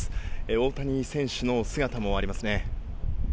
大谷選手の姿もありますね。